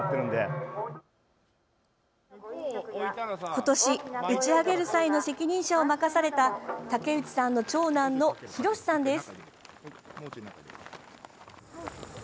今年、打ち上げる際の責任者を任された竹内さんの長男の裕さんです。